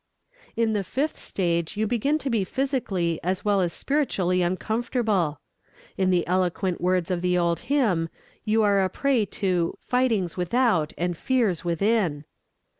In the fifth stage you begin to be physically as well as spiritually uncomfortable. In the eloquent words of the old hymn, you are a prey to "fightings without and fears within."